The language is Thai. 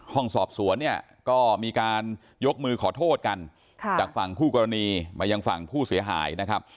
ห้องสอบสวนเนี่ยก็มีการยกมือขอโทษกันจากฝั่งคู่กรณีมายังฝั่งผู้เสียหายนะครับ